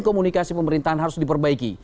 komunikasi pemerintahan harus diperbaiki